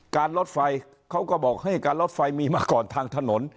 การลดไฟเขาก็บอกให้การรถไฟมีมาก่อนทางถนน